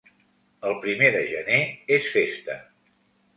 El primer de gener és festa.